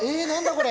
これ。